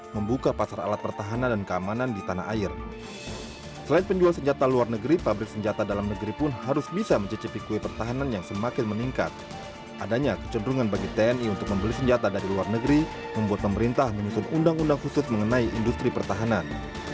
membuat pemerintah menyusun undang undang khusus mengenai industri pertahanan